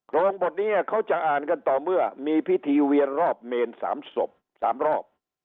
บทนี้เขาจะอ่านกันต่อเมื่อมีพิธีเวียนรอบเมน๓ศพ๓รอบ